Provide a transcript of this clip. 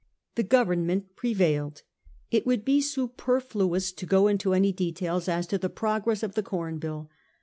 The Government prevailed. It would be super fluous to go into any details as to the progress of the Com Bill.